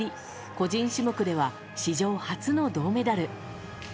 個人種目では史上初の銅メダル。